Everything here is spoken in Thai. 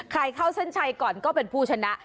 เข้าเส้นชัยก่อนก็เป็นผู้ชนะ